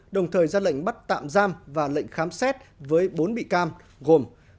đồng thời ra lệnh bắt tạm giam và lệnh khám xét với bốn bị can gồm